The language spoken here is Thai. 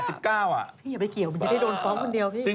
อย่าไปเกี่ยวมันจะได้โดนฟ้องคนเดียวพี่